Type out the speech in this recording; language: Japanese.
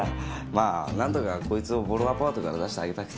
まあ何とかこいつをボロアパートから出してあげたくて。